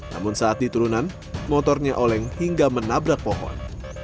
namun saat diturunan motornya oleng hingga menabrak pohon